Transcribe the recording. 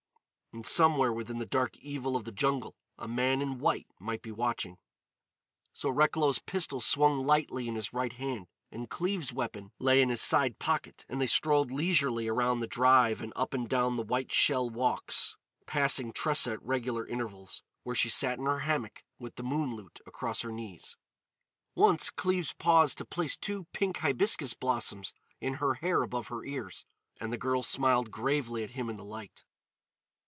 And somewhere within the dark evil of the jungle a man in white might be watching. So Recklow's pistol swung lightly in his right hand and Cleves' weapon lay in his side pocket, and they strolled leisurely around the drive and up and down the white shell walks, passing Tressa at regular intervals, where she sat in her hammock with the moon lute across her knees. Once Cleves paused to place two pink hibiscus blossoms in her hair above her ears; and the girl smiled gravely at him in the light.